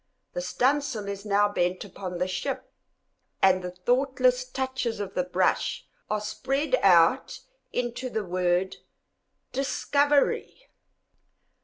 The studding sail is now bent upon the ship, and the thoughtless touches of the brush are spread out into the word DISCOVERY.